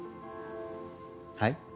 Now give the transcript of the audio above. はい？